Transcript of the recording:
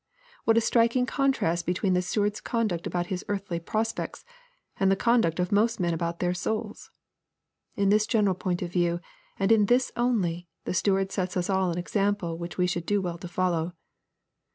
What a striking contrast between the steward's con duct about his earthly prospects, and the conduct of most men about their souls 1 In this general point of view, and in this only, the steward sets us all an example which we should do well to follow.